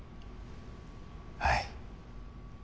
はい。